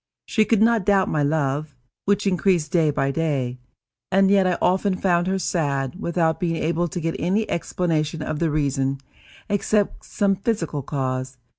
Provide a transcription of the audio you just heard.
She could not doubt my love, which increased day by day, and yet I often found her sad, without being able to get any explanation of the reason, except some physical cause.